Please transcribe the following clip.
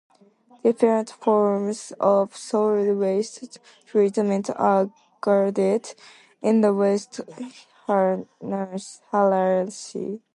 Different forms of solid waste treatment are graded in the waste hierarchy.